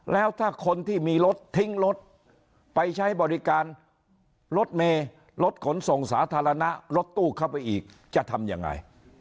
แล้วถ้าคนที่มีรถทิ้งรถไปใช้บริการรถเมรถขนส่งสาธารณะรถตู้เข้าไปอีกจะทำยังไง